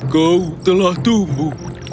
kau telah tumbuh